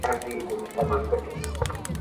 সহজাত জ্ঞানে প্রায় কখনই ভুল হয় না।